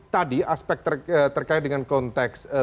tadi aspek terkait dengan konteks